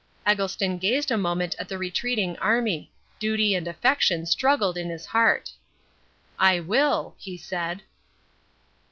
Eggleston gazed a moment at the retreating army. Duty and affection struggled in his heart. "I will," he said.